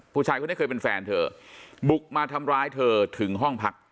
ผู้ชายคนนี้เคยเป็นแฟนเธอบุกมาทำร้ายเธอถึงห้องพัก